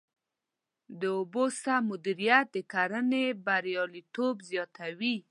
د اوبو سم مدیریت د کرنې بریالیتوب زیاتوي.